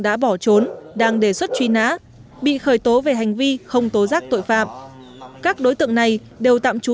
đã bỏ trốn đang đề xuất truy nã bị khởi tố về hành vi không tố giác tội phạm các đối tượng này đều tạm trú